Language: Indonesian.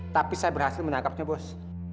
tapi saya berhasil menangkapnya bos